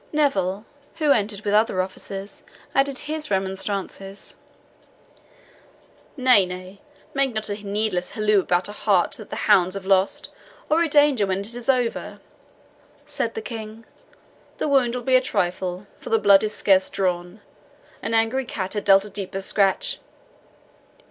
Neville, who entered with other officers, added his remonstrances. "Nay, nay, make not a needless halloo about a hart that the hounds have lost, or a danger when it is over," said the King. "The wound will be a trifle, for the blood is scarce drawn an angry cat had dealt a deeper scratch.